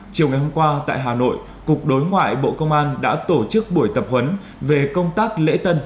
chiều ngày hôm qua tại hà nội cục đối ngoại bộ công an đã tổ chức buổi tập huấn về công tác lễ tân